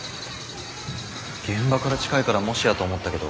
現場から近いからもしやと思ったけど無理かな？